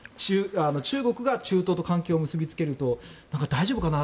中国が中東と関係を結びつけると大丈夫かな？